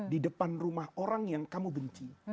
di depan rumah orang yang kamu benci